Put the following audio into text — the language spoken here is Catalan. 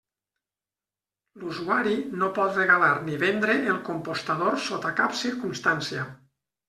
L'usuari no pot regalar ni vendre el compostador sota cap circumstància.